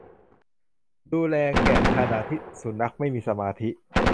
ดูแลแกะขณะที่สุนัขไม่มีสมาธิ